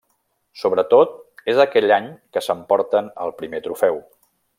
Sobretot és aquell any que s'emporten el primer trofeu.